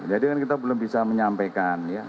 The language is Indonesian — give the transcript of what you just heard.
jadi kan kita belum bisa menyampaikan ya